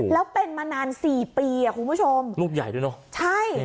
แล้วเป็นมานานสี่ปีอ่ะคุณผู้ชมลูกใหญ่ด้วยเนอะใช่